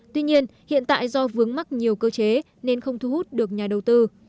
tuy nhiên hiện tại do vướng mắc nhiều cơ chế nên không thu hút được nhà đầu tư